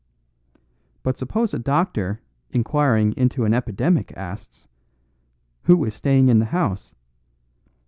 But suppose a doctor inquiring into an epidemic asks, 'Who is staying in the house?